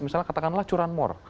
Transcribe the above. misalnya katakanlah curanmor